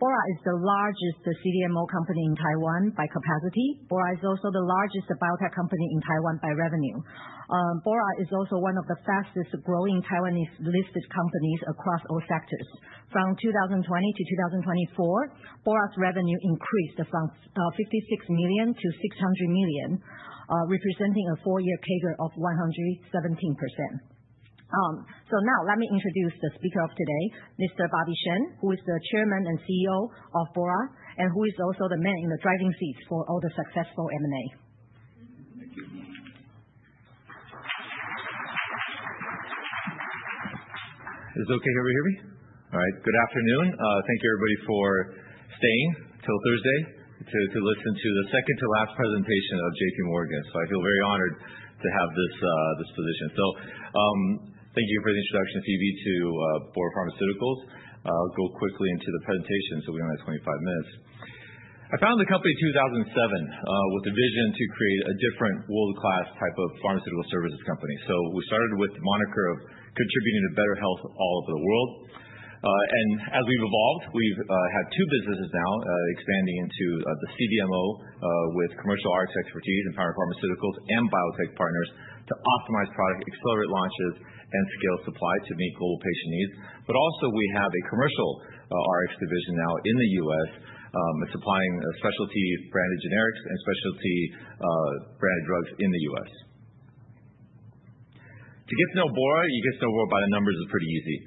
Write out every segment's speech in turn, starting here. Bora is the largest CDMO company in Taiwan by capacity. Bora is also the largEst biotech company in Taiwan by revenue. Bora is also one of the fastest-growing Taiwanese listed companies across all sectors. From 2020 to 2024, Bora's revenue increased from $56 million to $600 million, representing a four-year CAGR of 117%. So now, let me introduce the speaker of today, Mr. Bobby Sheng, who is the Chairman and CEO of Bora, and who is also the man in the driving seat for all the successful M&A. Thank you. Is it okay? Can everyone hear me? All right. Good afternoon. Thank you, everybody, for staying till Thursday to listen to the second-to-last presentation of J.P. Morgan, so I feel very honored to have this position. Thank you for the introduction, P.V., to Bora Pharmaceuticals. I'll go quickly into the presentation, so we only have 25 minutes. I founded the company in 2007 with a vision to create a different world-class type of pharmaceutical services company, so we started with the moniker of contributing to better health all over the world. As we've evolved, we've had two businesses now, expanding into the CDMO with commercial Rx expertise and powering pharmaceuticals and biotech partners to optimize product, accelerate launches, and scale supply to meet global patient needs. We also have a commercial Rx division now in the U.S., supplying specialty-branded generics and specialty-branded drugs in the U.S. To get to know Bora, you get to know Bora by the numbers. It's pretty easy.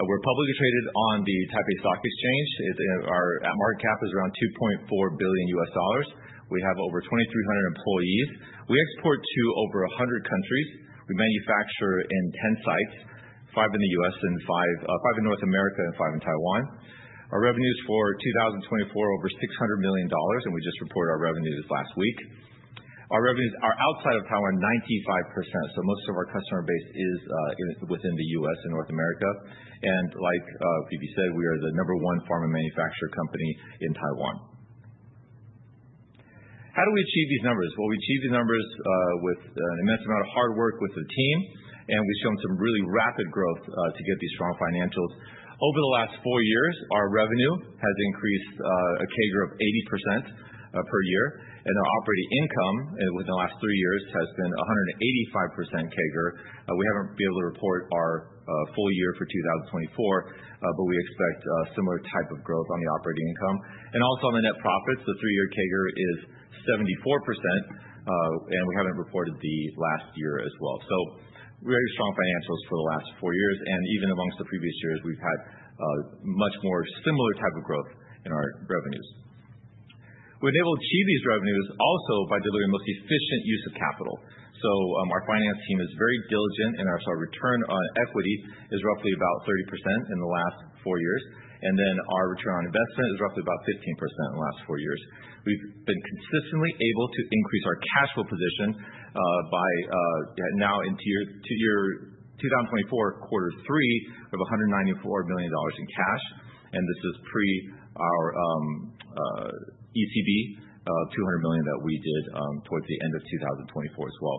We're publicly traded on the Taipei Stock Exchange. Our market cap is around $2.4 billion. We have over 2,300 employees. We export to over 100 countries. We manufacture in 10 sites, five in the U.S., five in North America, and five in Taiwan. Our revenues for 2024 were over $600 million, and we just reported our revenues last week. Our revenues are outside of Taiwan 95%, so most of our customer base is within the U.S. and North America. And like PV said, we are the number one pharma manufacturer company in Taiwan. How do we achieve these numbers? Well, we achieve these numbers with an immense amount of hard work with the team, and we've shown some really rapid growth to get these strong financials. Over the last four years, our revenue has increased a CAGR of 80% per year, and our operating income within the last three years has been 185% CAGR. We haven't been able to report our full year for 2024, but we expect a similar type of growth on the operating income. And also, on the net profits, the three-year CAGR is 74%, and we haven't reported the last year as well. So we have strong financials for the last four years, and even among the previous years, we've had a much more similar type of growth in our revenues. We've been able to achieve these revenues also by delivering the most efficient use of capital. So our finance team is very diligent, and our return on equity is roughly about 30% in the last four years. And then our return on investment is roughly about 15% in the last four years. We've been consistently able to increase our cash flow position by now into year 2024, quarter three of $194 million in cash, and this is pre our ECB of $200 million that we did towards the end of 2024 as well.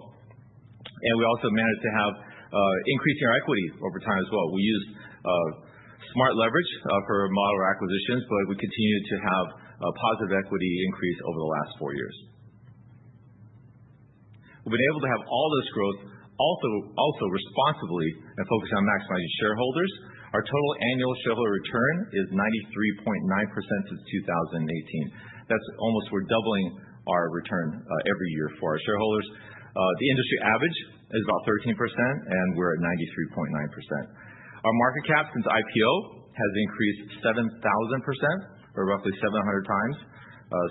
And we also managed to have an increase in our equity over time as well. We used smart leverage for modest acquisitions, but we continued to have a positive equity increase over the last four years. We've been able to have all this growth also responsibly and focus on maximizing shareholders. Our total annual shareholder return is 93.9% since 2018. That's almost we're doubling our return every year for our shareholders. The industry average is about 13%, and we're at 93.9%. Our market cap since IPO has increased 7,000%, or roughly 700x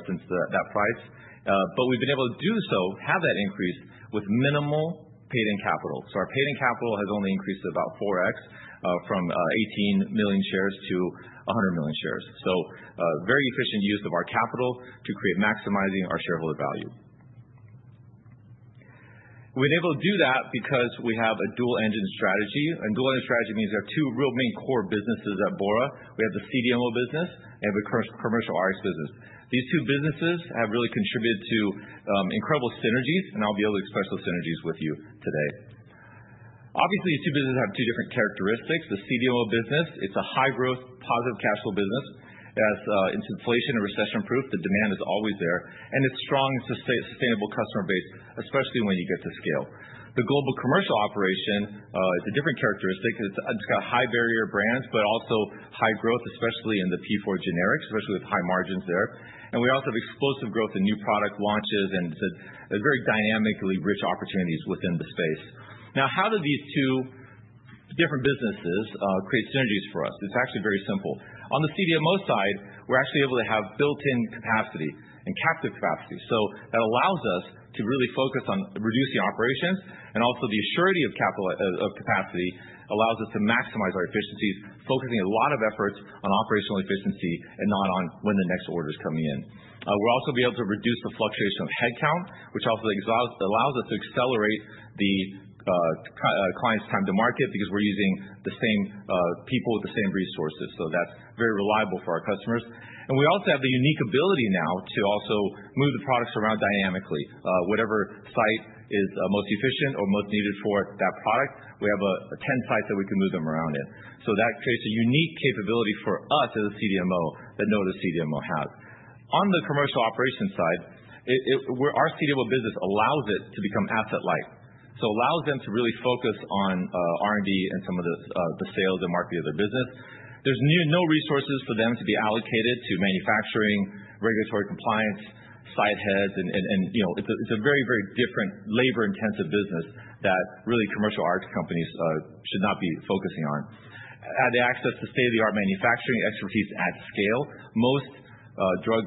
since that price, but we've been able to do so, have that increase with minimal paid-in capital, so our paid-in capital has only increased to about 4x from 18 million shares to 100 million shares, so very efficient use of our capital to create maximizing our shareholder value. We've been able to do that because we have a dual-engine strategy, and dual-engine strategy means we have two real main core businesses at Bora. We have the CDMO business and the commercial Rx business. These two businesses have really contributed to incredible synergies, and I'll be able to express those synergies with you today. Obviously, these two businesses have two different characteristics. The CDMO business, it's a high-growth, positive cash flow business. It's inflation and recession-proof. The demand is always there. And it's strong, sustainable customer base, especially when you get to scale. The global commercial operation, it's a different characteristic. It's got high-barrier brands, but also high growth, especially in the P4 generics, especially with high margins there. And we also have explosive growth in new product launches and very dynamically rich opportunities within the space. Now, how do these two different businesses create synergies for us? It's actually very simple. On the CDMO side, we're actually able to have built-in capacity and captive capacity. So that allows us to really focus on reducing operations, and also the surety of capacity allows us to maximize our efficiencies, focusing a lot of efforts on operational efficiency and not on when the next order is coming in. We'll also be able to reduce the fluctuation of headcount, which also allows us to accelerate the client's time to market because we're using the same people with the same resources. So that's very reliable for our customers. And we also have the unique ability now to also move the products around dynamically. Whatever site is most efficient or most needed for that product, we have 10 sites that we can move them around in. So that creates a unique capability for us as a CDMO that no other CDMO has. On the commercial operations side, our CDMO business allows it to become asset-light. So it allows them to really focus on R&D and some of the sales and marketing of their business. There's no resources for them to be allocated to manufacturing, regulatory compliance, site heads, and it's a very, very different labor-intensive business that really commercial Rx companies should not be focusing on. They access the state-of-the-art manufacturing expertise at scale. Most drug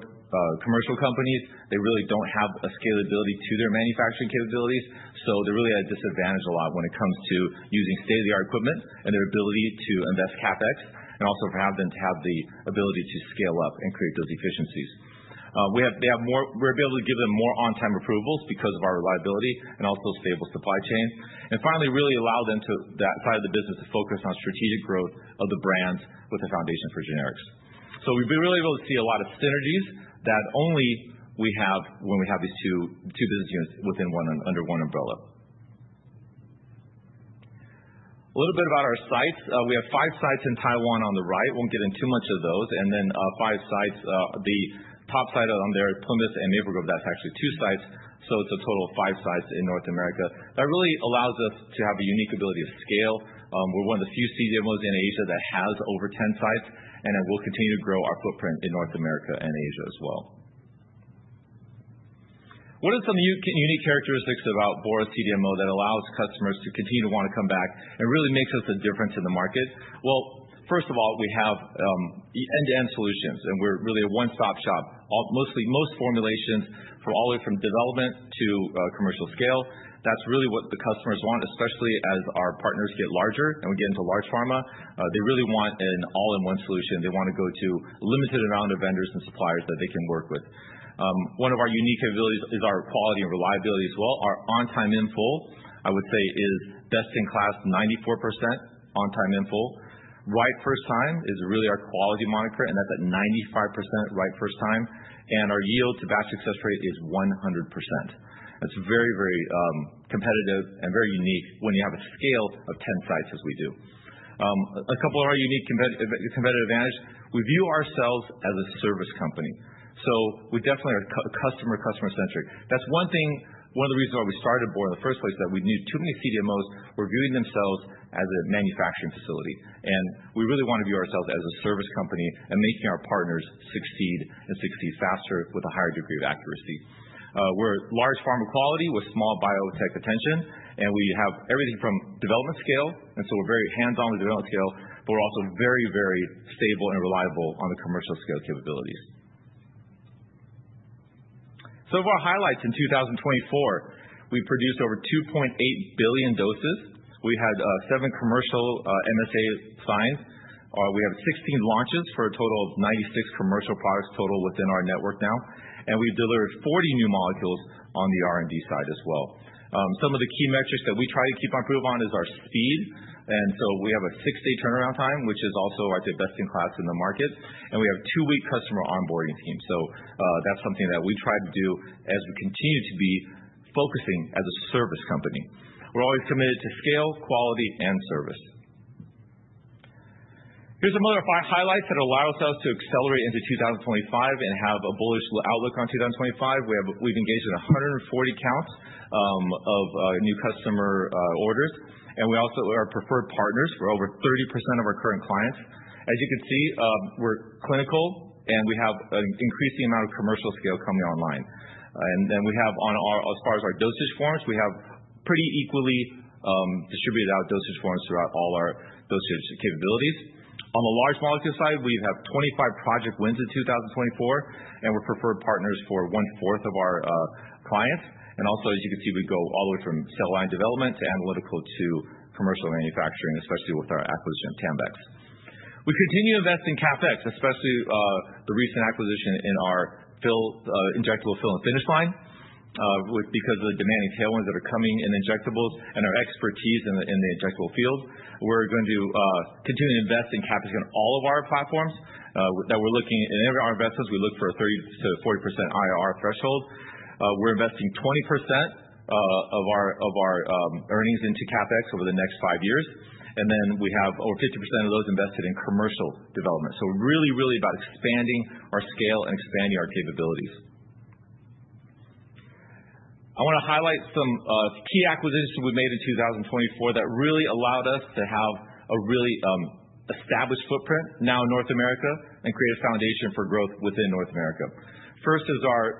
commercial companies, they really don't have a scalability to their manufacturing capabilities, so they're really at a disadvantage a lot when it comes to using state-of-the-art equipment and their ability to invest CapEx and also for having them to have the ability to scale up and create those efficiencies. We have more. We're able to give them more on-time approvals because of our reliability and also stable supply chain, and finally really allow them to that side of the business to focus on strategic growth of the brands with a foundation for generics. So we've been really able to see a lot of synergies that only we have when we have these two business units within one under one umbrella. A little bit about our sites. We have five sites in Taiwan on the right. We won't get into too much of those. And then five sites. The top site on there is Plymouth and Maple Grove. That's actually two sites. So it's a total of five sites in North America. That really allows us to have a unique ability to scale. We're one of the few CDMOs in Asia that has over 10 sites, and we'll continue to grow our footprint in North America and Asia as well. What are some unique characteristics about Bora CDMO that allows customers to continue to want to come back and really makes us a difference in the market? First of all, we have end-to-end solutions, and we're really a one-stop shop. Most formulations from all the way from development to commercial scale. That's really what the customers want, especially as our partners get larger and we get into large pharma. They really want an all-in-one solution. They want to go to a limited amount of vendors and suppliers that they can work with. One of our unique capabilities is our quality and reliability as well. Our on-time in full, I would say, is best-in-class 94% on-time in full. Right first time is really our quality moniker, and that's at 95% right first time. And our yield to batch success rate is 100%. That's very, very competitive and very unique when you have a scale of 10 sites as we do. A couple of our unique competitive advantages: we view ourselves as a service company. So we definitely are customer-centric. That's one thing, one of the reasons why we started Bora in the first place, that we knew too many CDMOs were viewing themselves as a manufacturing facility, and we really want to view ourselves as a service company and making our partners succeed and succeed faster with a higher degree of accuracy. We're large pharma quality with small biotech attention, and we have everything from development scale, and so we're very hands-on with development scale, but we're also very, very stable and reliable on the commercial scale capabilities. Some of our highlights in 2024: we produced over 2.8 billion doses. We had seven commercial MSA signs. We have 16 launches for a total of 96 commercial products total within our network now, and we've delivered 40 new molecules on the R&D side as well. Some of the key metrics that we try to keep an eye on is our speed. And so we have a six-day turnaround time, which is also our best-in-class in the market. And we have a two-week customer onboarding time. So that's something that we try to do as we continue to be focusing as a service company. We're always committed to scale, quality, and service. Here's some other highlights that allow us to accelerate into 2025 and have a bullish outlook on 2025. We've engaged in 140 counts of new customer orders, and we also are preferred partners for over 30% of our current clients. As you can see, we're clinical, and we have an increasing amount of commercial scale coming online. And then we have, as far as our dosage forms, we have pretty equally distributed out dosage forms throughout all our dosage capabilities. On the large molecule side, we have 25 project wins in 2024, and we're preferred partners for one-fourth of our clients. Also, as you can see, we go all the way from cell line development to analytical to commercial manufacturing, especially with our acquisition of Tanvex. We continue to invest in CapEx, especially the recent acquisition in our injectable fill-and-finish line. Because of the demanding tailwinds that are coming in injectables and our expertise in the injectable field, we're going to continue to invest in CapEx on all of our platforms. In our investments, we look for a 30%-40% IRR threshold. We're investing 20% of our earnings into CapEx over the next five years. Then we have over 50% of those invested in commercial development. Really, really about expanding our scale and expanding our capabilities. I want to highlight some key acquisitions we've made in 2024 that really allowed us to have a really established footprint now in North America and create a foundation for growth within North America. First is our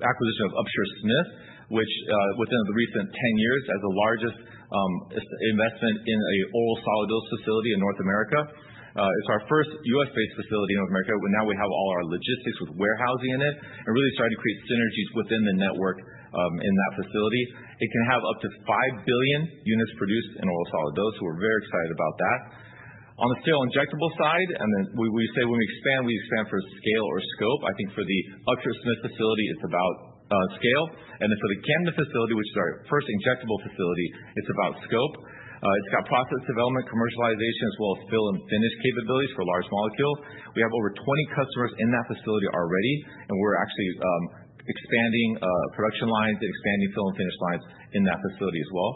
acquisition of Upsher-Smith, which within the recent 10 years has the largest investment in an oral solid dose facility in North America. It's our first U.S.-based facility in North America. Now we have all our logistics with warehousing in it and really starting to create synergies within the network in that facility. It can have up to 5 billion units produced in oral solid dose, so we're very excited about that. On the sterile injectable side, and then we say when we expand, we expand for scale or scope. I think for the Upsher-Smith facility, it's about scale. And then for the Camden facility, which is our first injectable facility, it's about scope. It's got process development, commercialization, as well as fill and finish capabilities for large molecules. We have over 20 customers in that facility already, and we're actually expanding production lines and expanding fill and finish lines in that facility as well.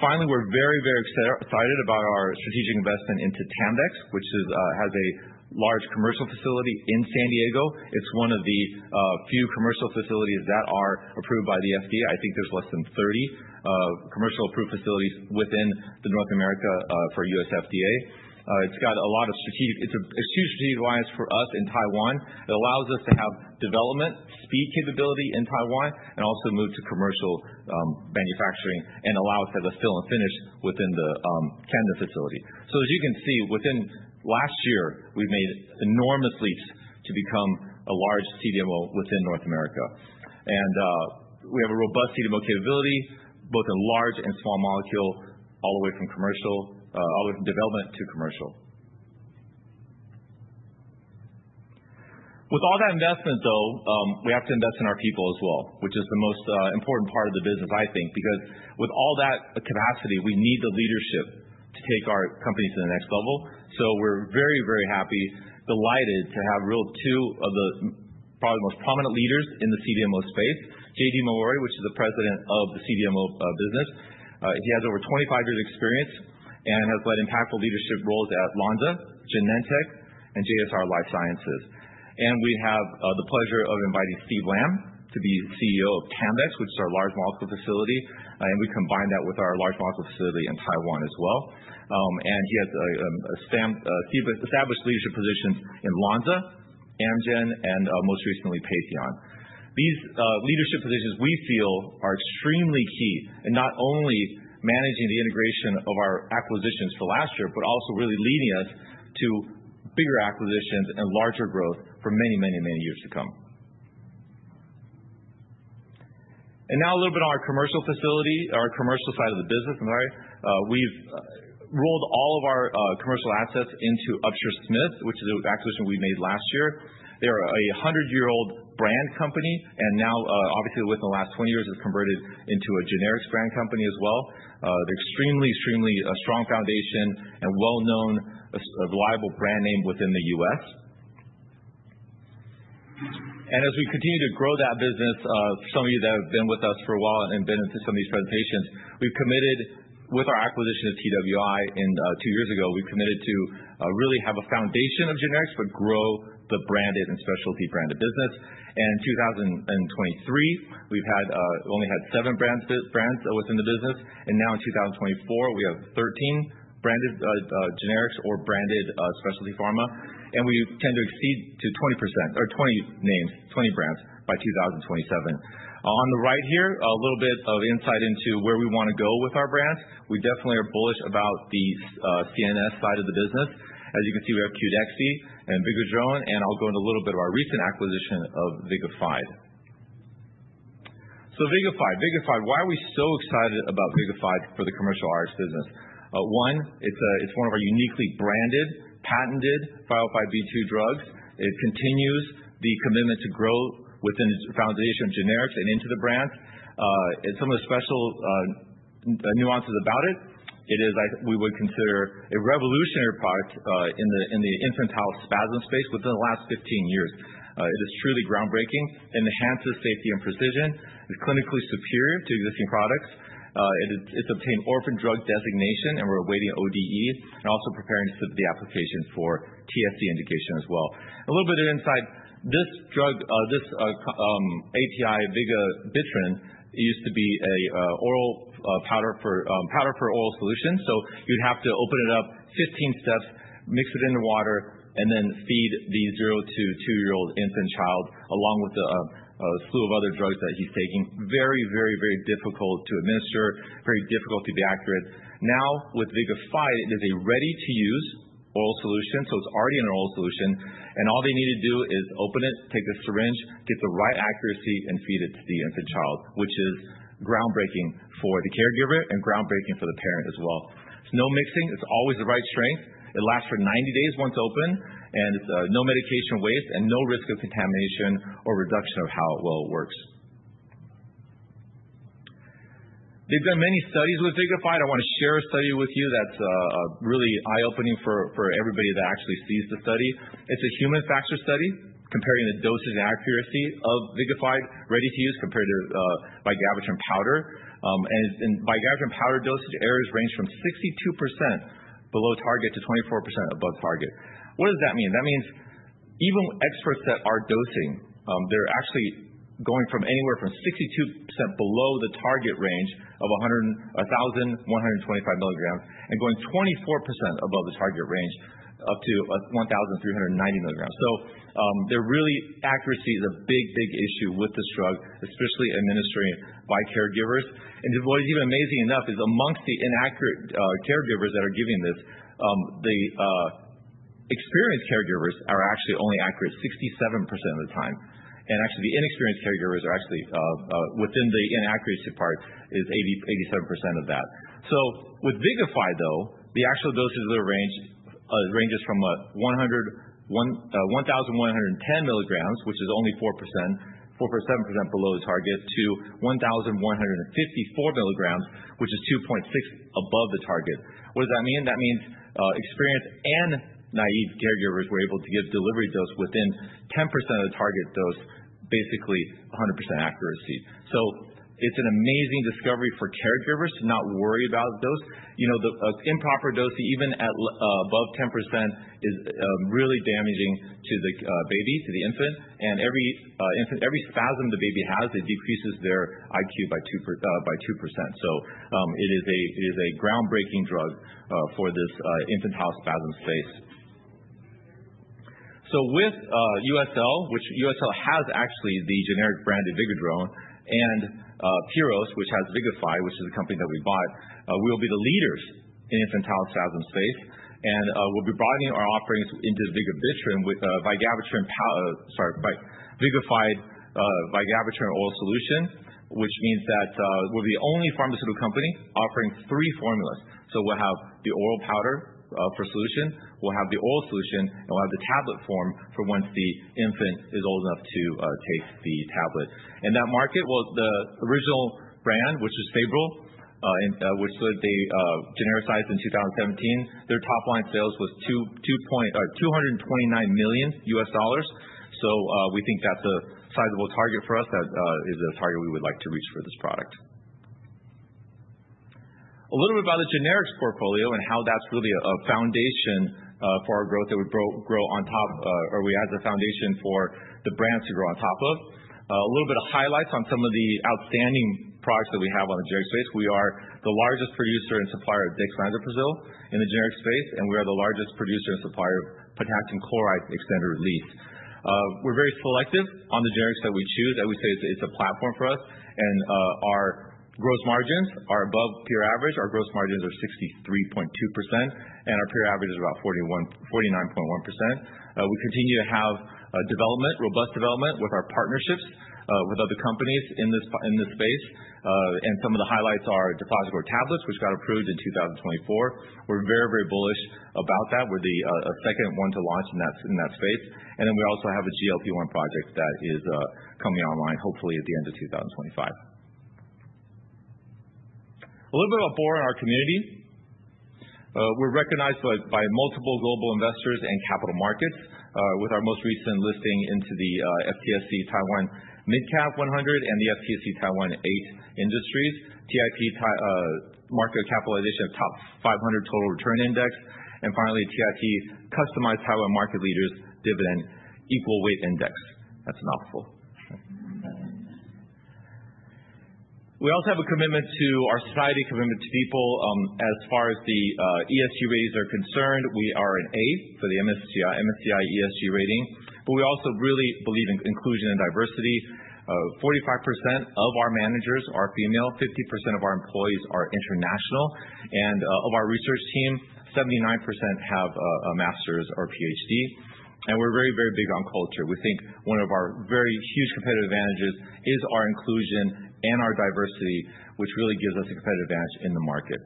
Finally, we're very, very excited about our strategic investment into Tanvex, which has a large commercial facility in San Diego. It's one of the few commercial facilities that are approved by the FDA. I think there's less than 30 commercial-approved facilities within North America for U.S. FDA. It's got a lot of strategic. It's a huge strategic alliance for us in Taiwan. It allows us to have development speed capability in Taiwan and also move to commercial manufacturing and allow us to have a fill and finish within the Camden facility. So as you can see, within the last year, we've made enormous leaps to become a large CDMO within North America. And we have a robust CDMO capability both in large and small molecule, all the way from development to commercial. With all that investment, though, we have to invest in our people as well, which is the most important part of the business, I think, because with all that capacity, we need the leadership to take our company to the next level. So we're very, very happy, delighted to have two of the probably most prominent leaders in the CDMO space, J.D. Mowery, which is the president of the CDMO business. He has over 25 years of experience and has led impactful leadership roles at Lonza, Genentech, and JSR Life Sciences. We have the pleasure of inviting Steve Lam to be CEO of Tanvex, which is our large molecule facility. We combine that with our large molecule facility in Taiwan as well. He has established leadership positions in Lonza, Amgen, and most recently Patheon. These leadership positions we feel are extremely key in not only managing the integration of our acquisitions for last year, but also really leading us to bigger acquisitions and larger growth for many, many, many years to come. Now a little bit on our commercial facility, our commercial side of the business. We've rolled all of our commercial assets into Upsher-Smith, which is an acquisition we made last year. They are a 100-year-old brand company and now, obviously, within the last 20 years, it's converted into a generics brand company as well. They're an extremely, extremely strong foundation and well-known, reliable brand name within the US. And as we continue to grow that business, some of you that have been with us for a while and been into some of these presentations, we've committed with our acquisition of TWi two years ago, we've committed to really have a foundation of generics, but grow the branded and specialty branded business. And in 2023, we've only had seven brands within the business. And now in 2024, we have 13 branded generics or branded specialty pharma. And we tend to exceed to 20 names, 20 brands by 2027. On the right here, a little bit of insight into where we want to go with our brands. We definitely are bullish about the CNS side of the business. As you can see, we have Qudexy and Vigadrone, and I'll go into a little bit of our recent acquisition of VIGAFYDE. Vigafyde, why are we so excited about VIGAFYDE for the commercial Rx business? One, it's one of our uniquely branded, patented 505(b)(2) drugs. It continues the commitment to grow within the foundation of generics and into the brands. Some of the special nuances about it, it is we would consider a revolutionary product in the infantile spasm space within the last 15 years. It is truly groundbreaking, enhances safety and precision, is clinically superior to existing products. It's obtained orphan drug designation, and we're awaiting ODE and also preparing the application for TSC indication as well. A little bit of insight. This drug, this API, vigabatrin, used to be an oral powder for oral solution. So you'd have to open it up, 15 steps, mix it in the water, and then feed the zero- to two-year-old infant child along with a slew of other drugs that he's taking. Very, very, very difficult to administer, very difficult to be accurate. Now with VIGAFYDE, it is a ready-to-use oral solution, so it's already an oral solution. And all they need to do is open it, take the syringe, get the right accuracy, and feed it to the infant child, which is groundbreaking for the caregiver and groundbreaking for the parent as well. It's no mixing. It's always the right strength. It lasts for 90 days once open, and it's no medication waste and no risk of contamination or reduction of how it well works. They've done many studies with VIGAFYDE. I want to share a study with you that's really eye-opening for everybody that actually sees the study. It's a human factor study comparing the dosage accuracy of VIGAFYDE ready-to-use compared to vigabatrin powder. And vigabatrin powder, dosage errors range from 62% below target to 24% above target. What does that mean? That means even experts that are dosing, they're actually going from anywhere from 62% below the target range of 1,125 milligrams and going 24% above the target range up to 1,390 milligrams. So the real accuracy is a big, big issue with this drug, especially administering by caregivers. And what is even amazing enough is among the inaccurate caregivers that are giving this, the experienced caregivers are actually only accurate 67% of the time. And actually, the inexperienced caregivers are actually within the inaccuracy part is 87% of that. With VIGAFYDE, though, the actual dosage ranges from 1,110 milligrams, which is only 4%, 4.7% below the target, to 1,154 milligrams, which is 2.6% above the target. What does that mean? That means experienced and naive caregivers were able to give delivery dose within 10% of the target dose, basically 100% accuracy. So it's an amazing discovery for caregivers to not worry about the dose. Improper dosing, even above 10%, is really damaging to the baby, to the infant. And every spasm the baby has, it decreases their IQ by 2%. So it is a groundbreaking drug for this infantile spasm space. So with USL, which USL has actually the generic branded Vigadrone and Pyros, which has VIGAFYDE, which is a company that we bought, we will be the leaders in the infantile spasm space. We'll be broadening our offerings into Vigabatrin, sorry, VIGAFYDE, Vigabatrin oral solution, which means that we'll be the only pharmaceutical company offering three formulas. We'll have the oral powder for solution, we'll have the oral solution, and we'll have the tablet form for once the infant is old enough to take the tablet. In that market, well, the original brand, which is Sabril, which they genericized in 2017, their top line sales was $229 million. We think that's a sizable target for us. That is a target we would like to reach for this product. A little bit about the generics portfolio and how that's really a foundation for our growth that we grow on top, or we add the foundation for the brands to grow on top of. A little bit of highlights on some of the outstanding products that we have on the generic space. We are the largest producer and supplier of dexlansoprazole in the generic space, and we are the largest producer and supplier of potassium chloride extended release. We're very selective on the generics that we choose. I would say it's a platform for us. And our gross margins are above peer average. Our gross margins are 63.2%, and our peer average is about 49.1%. We continue to have development, robust development with our partnerships with other companies in this space. And some of the highlights are the Fosrenol tablets, which got approved in 2024. We're very, very bullish about that. We're the second one to launch in that space. And then we also have a GLP-1 project that is coming online, hopefully at the end of 2025. A little bit about Bora in our community. We're recognized by multiple global investors and capital markets, with our most recent listing into the FTSE Taiwan Midcap 100 and the FTSE Taiwan 8 Industries, TIP market capitalization of top 500 total return index, and finally, TIP Customized Taiwan Market Leaders Dividend Equal Weight Index. That's a mouthful. We also have a commitment to our society, a commitment to people. As far as the ESG ratings are concerned, we are an A for the MSCI ESG rating, but we also really believe in inclusion and diversity. 45% of our managers are female, 50% of our employees are international, and of our research team, 79% have a master's or PhD, and we're very, very big on culture. We think one of our very huge competitive advantages is our inclusion and our diversity, which really gives us a competitive advantage in the market.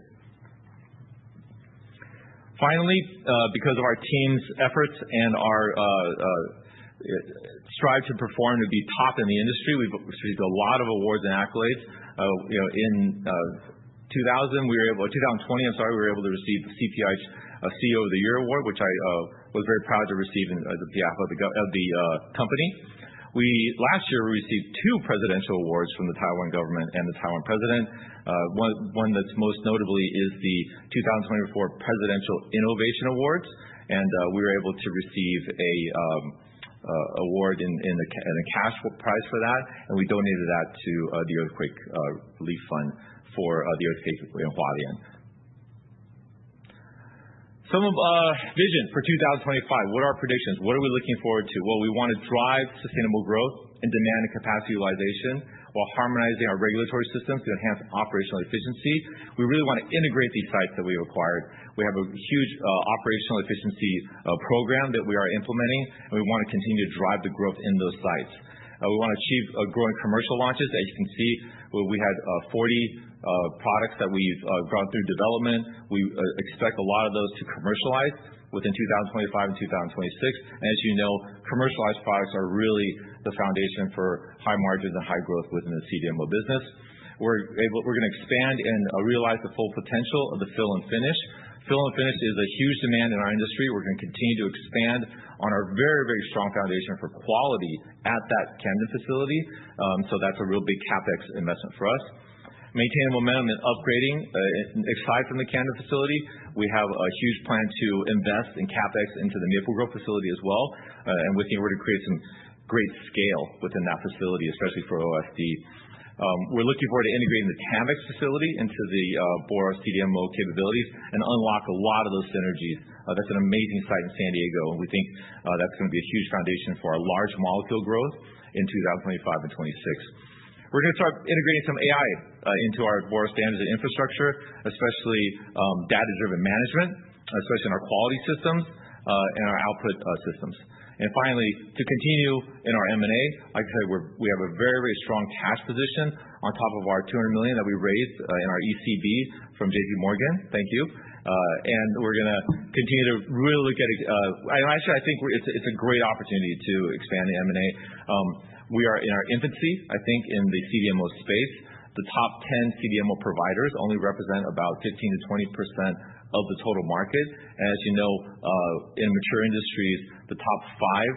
Finally, because of our team's efforts and our strive to perform to be top in the industry, we've received a lot of awards and accolades. In 2020, I'm sorry, we were able to receive the CPhI CEO of the Year award, which I was very proud to receive as a CEO of the company. Last year, we received two presidential awards from the Taiwan government and the Taiwan president. One that's most notably is the 2024 Presidential Innovation Awards. We were able to receive an award and a cash prize for that. We donated that to the Earthquake Relief Fund for the earthquake in Hualien. Some of our vision for 2025, what are our predictions? What are we looking forward to? We want to drive sustainable growth and demand and capacity utilization while harmonizing our regulatory systems to enhance operational efficiency. We really want to integrate these sites that we have acquired. We have a huge operational efficiency program that we are implementing, and we want to continue to drive the growth in those sites. We want to achieve growing commercial launches. As you can see, we had 40 products that we've gone through development. We expect a lot of those to commercialize within 2025 and 2026, and as you know, commercialized products are really the foundation for high margins and high growth within the CDMO business. We're going to expand and realize the full potential of the fill and finish. Fill and finish is a huge demand in our industry. We're going to continue to expand on our very, very strong foundation for quality at that Camden facility, so that's a real big CapEx investment for us. Maintaining momentum and upgrading, aside from the Camden facility, we have a huge plan to invest in CapEx into the Maple Grove facility as well, and we're looking to create some great scale within that facility, especially for OSD. We're looking forward to integrating the Tanvex facility into the Bora CDMO capabilities and unlock a lot of those synergies. That's an amazing site in San Diego, and we think that's going to be a huge foundation for our large molecule growth in 2025 and 2026. We're going to start integrating some AI into our Bora standards and infrastructure, especially data-driven management, especially in our quality systems and our output systems. And finally, to continue in our M&A, like I said, we have a very, very strong cash position on top of our $200 million that we raised in our ECB from J.P. Morgan. Thank you. We're going to continue to really look at it. Actually, I think it's a great opportunity to expand the M&A. We are in our infancy, I think, in the CDMO space. The top 10 CDMO providers only represent about 15%-20% of the total market. And as you know, in mature industries, the top five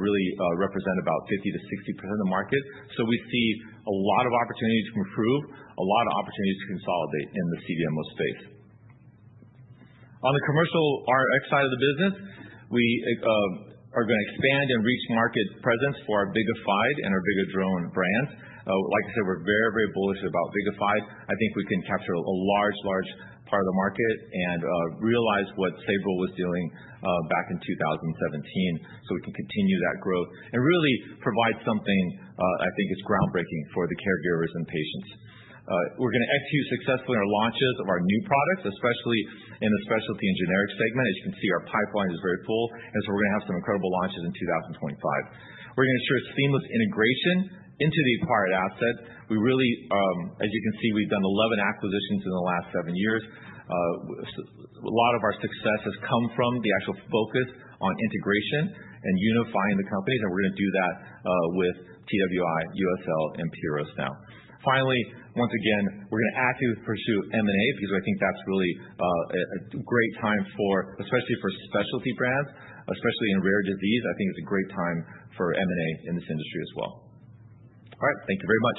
really represent about 50%-60% of the market. So we see a lot of opportunities to improve, a lot of opportunities to consolidate in the CDMO space. On the commercial RX side of the business, we are going to expand and reach market presence for our VIGAFYDE and our Vigadrone brands. Like I said, we're very, very bullish about VIGAFYDE. I think we can capture a large, large part of the market and realize what Sabril was dealing with back in 2017. So we can continue that growth and really provide something I think is groundbreaking for the caregivers and patients. We're going to execute successfully our launches of our new products, especially in the specialty and generic segment. As you can see, our pipeline is very full. And so we're going to have some incredible launches in 2025. We're going to ensure seamless integration into the acquired asset. We really, as you can see, we've done 11 acquisitions in the last seven years. A lot of our success has come from the actual focus on integration and unifying the companies. And we're going to do that with TWi, USL, and Pyros now. Finally, once again, we're going to actively pursue M&A because I think that's really a great time for, especially for specialty brands, especially in rare disease. I think it's a great time for M&A in this industry as well. All right, thank you very much.